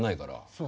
そう。